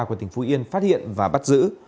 của tỉnh phú yên phát hiện và bắt giữ